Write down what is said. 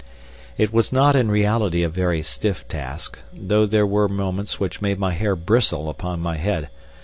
It was not in reality a very stiff task, though there were moments which made my hair bristle upon my head.